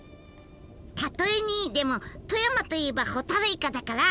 たとえ２位でも富山といえばホタルイカだから！